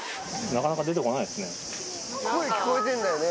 なかなか出てこないですね。